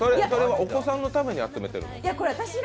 お子さんのために集めてるの？